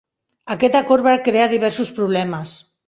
Aquest acord va crear diversos problemes.